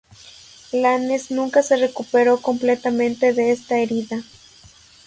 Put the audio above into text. Lannes nunca se recuperó completamente de esta herida.